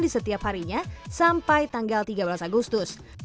di setiap harinya sampai tanggal tiga belas agustus